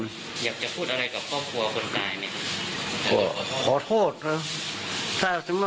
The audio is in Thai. อยากจะพูดอะไรกับครอบครัวคุณตายไหมครับ